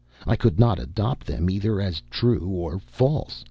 I could not adopt them either as true or false.